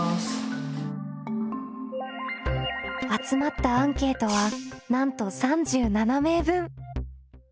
集まったアンケートはなんと３７名分！